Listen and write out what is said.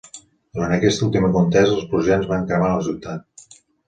Durant aquesta última contesa, els prussians van cremar la ciutat.